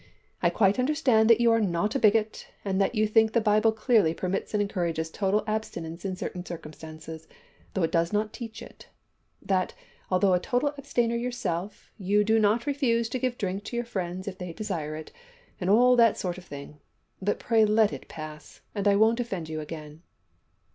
I quite understand that you are no bigot, that you think the Bible clearly permits and encourages total abstinence in certain circumstances, though it does not teach it; that, although a total abstainer yourself, you do not refuse to give drink to your friends if they desire it and all that sort of thing; but pray let it pass, and I won't offend again."